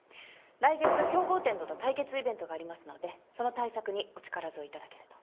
来月競合店との対決イベントがありますのでその対策にお力添えいただけると。